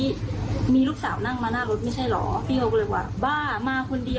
ลองฟังดูหน่อยฮะ